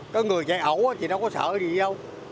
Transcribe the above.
có người chạy ẩu thì nó có sợ gì đâu